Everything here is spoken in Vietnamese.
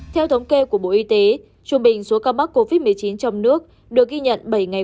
theo thống kê của bộ y tế trung bình số ca mắc covid một mươi chín trong nước được ghi nhận bảy ngày